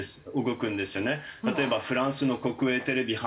例えばフランスの国営テレビ班。